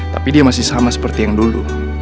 tapi dia masih sama seperti yang dulu